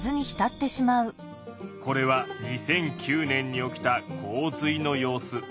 これは２００９年に起きた洪水の様子。